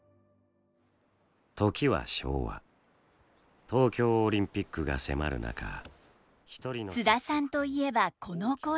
時は昭和東京オリンピックが迫る中津田さんといえばこの声。